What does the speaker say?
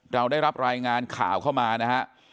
เราได้รับรายงานข่าวเข้ามานะฮะ